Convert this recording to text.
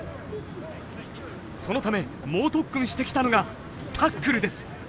そのため猛特訓してきたのがタックルです。